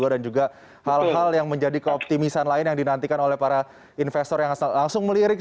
dan juga hal hal yang menjadi keoptimisan lain yang dinantikan oleh para investor yang langsung melirik